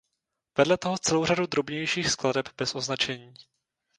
Vedle toho celou řadu drobnějších skladeb bez označení.